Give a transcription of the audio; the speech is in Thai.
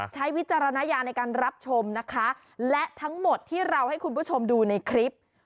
วิจารณญาณในการรับชมนะคะและทั้งหมดที่เราให้คุณผู้ชมดูในคลิป